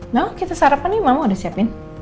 mama kita sarapan nih mama udah siapin